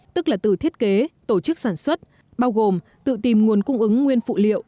tức là từ thiết kế tổ chức sản xuất bao gồm tự tìm nguồn cung ứng nguyên phụ liệu